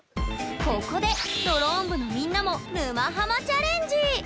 ここでドローン部のみんなも沼ハマチャレンジ！